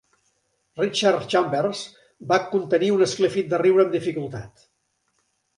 Richard Chambers va contenir un esclafit de riure amb dificultat.